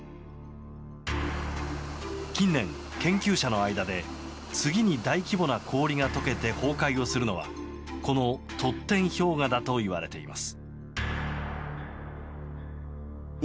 近年、研究者の間で次に大規模な氷が解けて崩壊をするのはこのトッテン氷河だといわれています。